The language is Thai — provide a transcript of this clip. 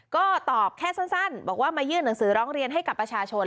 ก็ตอบแค่สั้นบอกว่ามายื่นหนังสือร้องเรียนให้กับประชาชน